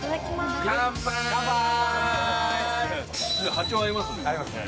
波長合いますね。